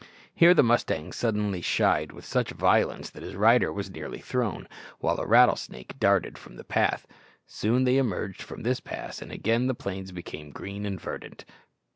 Here the mustang suddenly shied with such violence that his rider was nearly thrown, while a rattlesnake darted from the path. Soon they emerged from this pass, and again the plains became green and verdant.